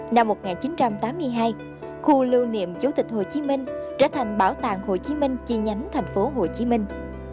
năm một nghìn chín trăm tám mươi hai khu lưu niệm chủ tịch hồ chí minh trở thành bảo tàng hồ chí minh chi nhánh thành phố hồ chí minh